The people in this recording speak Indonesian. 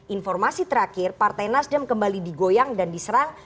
informasi terakhir partai nasdem kembali digoyang dan diserang